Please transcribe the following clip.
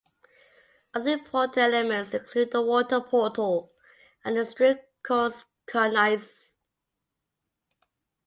Other important elements include the water portal and the string course cornices.